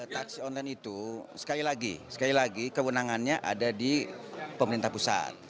taksi online itu sekali lagi sekali lagi kewenangannya ada di pemerintah pusat